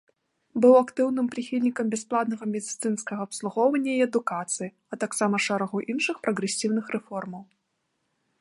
Быў актыўным прыхільнікам бясплатнага медыцынскага абслугоўвання і адукацыі, а таксама шэрагу іншых прагрэсіўных рэформаў.